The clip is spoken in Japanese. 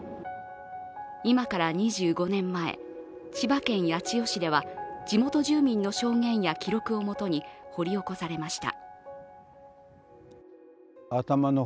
今から２５年前、千葉県八千代市では地元住民の証言や記録をもとに掘り起こされました。